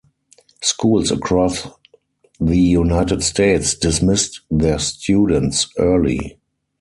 Schools across the United States dismissed their students early.